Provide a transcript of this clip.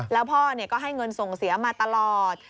แล้วพ่อก็ให้เงินส่งเสียมาตลอด